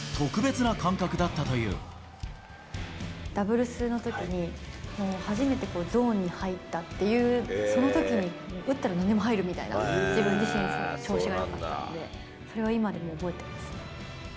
ダブルスのときに、初めてゾーンに入ったっていう、そのときに打ったらなんでも入るみたいな、自分自身調子がよかったんで、それは今でも覚えてます。